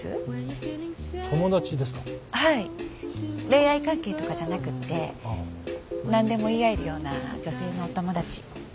恋愛関係とかじゃなくって何でも言い合えるような女性のお友達。